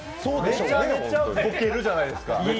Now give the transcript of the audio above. めちゃめちゃボケるじゃないですか。